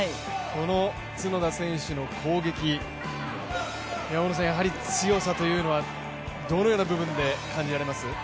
この角田選手の攻撃、やはり強さというのはどのような部分で感じられます？